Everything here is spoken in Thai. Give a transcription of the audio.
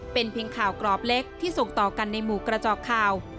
เป็นเพียงข่าวกรอบเล็กที่ส่งต่อกันในหมู่กระจอกข่าว